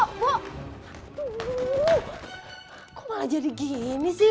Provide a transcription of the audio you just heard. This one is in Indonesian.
kok malah jadi gini sih